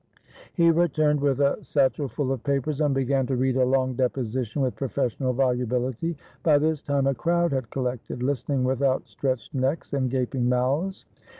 He returned with a satchel full of papers, and began to read a long deposition with professional volubility. By this time a crowd had collected, listening with out stretched necks and gaping mouths.